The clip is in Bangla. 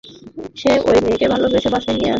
সে ওই মেয়েকে ভালোবেসে বাসায় নিয়ে আসে।